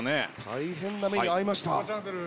大変な目に遭いました。